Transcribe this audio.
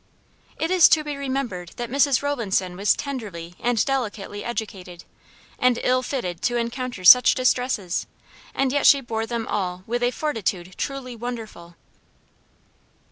It is to be remembered that Mrs. Rowlandson was tenderly and delicately educated, and ill fitted to encounter such distresses; and yet she bore them all with a fortitude truly wonderful.